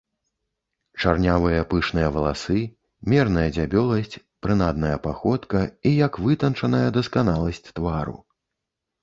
Чарнявыя пышныя валасы, мерная дзябёласць, прынадная паходка і як вытанчаная дасканаласць твару.